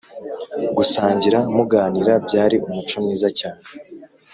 gusangira muganira byari umuco mwiza cyane